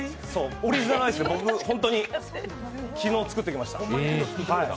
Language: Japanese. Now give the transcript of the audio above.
オリジナルアイスで僕、ホントに昨日、作ってきました。